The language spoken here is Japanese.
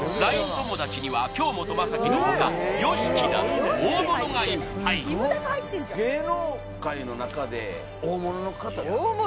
友達には京本政樹のほかＹＯＳＨＩＫＩなど大物がいっぱい芸能界の中で大物の方大物？